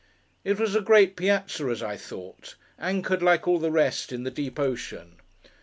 It was a great Piazza, as I thought; anchored, like all the rest, in the deep ocean.